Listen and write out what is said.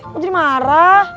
kok jadi marah